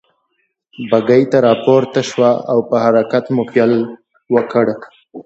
بګۍ ته را پورته شوه او په حرکت مو پيل وکړ.